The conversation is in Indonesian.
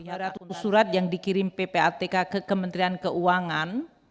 ada surat yang dikirim ppatk ke kementerian keuangan